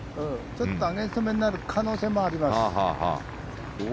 ちょっとアゲンストめになる可能性もあります。